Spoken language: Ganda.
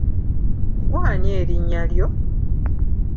Ggwe ani erinnya lyo?